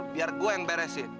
biar gue yang beresin